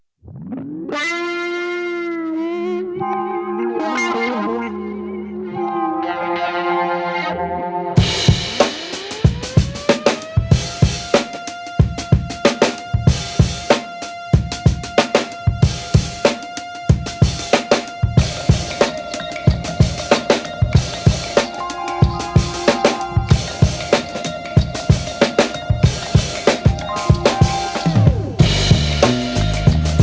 nggak ada yang denger